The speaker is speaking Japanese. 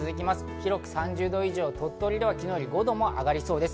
広く３０度以上、鳥取ではきのうより５度も上がりそうです。